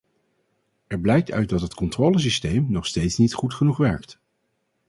Er blijkt uit dat het controlesysteem nog steeds niet goed genoeg werkt.